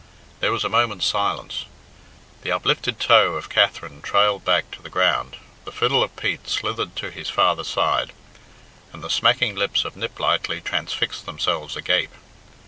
There was a moment's silence. The uplifted toe of Katherine trailed back to the ground, the fiddle of Pete slithered to his farther side, and the smacking lips of Niplightly transfixed themselves agape.